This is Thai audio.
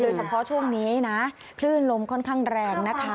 เฉพาะช่วงนี้นะคลื่นลมค่อนข้างแรงนะคะ